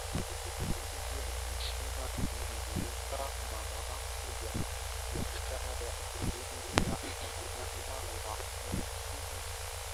Hivyo Uchina imeweka marufuku ya biashara ya kigeni ya wanyama wa mwituni